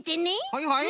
はいはい。